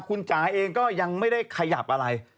คุณจ๋าเองก็ยังไม่ได้ขยับอะไร